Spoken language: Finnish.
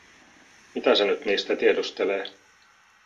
Mitä se nyt niistä tiedustelee?